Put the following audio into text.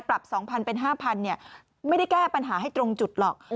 ปรับ๒๐๐เป็น๕๐๐ไม่ได้แก้ปัญหาให้ตรงจุดหรอก